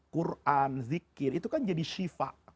quran zikir itu kan jadi shifa